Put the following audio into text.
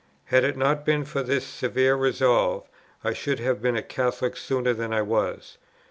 Had it not been for this severe resolve, I should have been a Catholic sooner than I was.